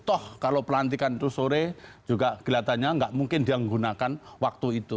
toh kalau pelantikan itu sore juga kelihatannya nggak mungkin dia menggunakan waktu itu